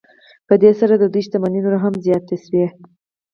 په دې سره د دوی شتمنۍ نورې هم زیاتې شوې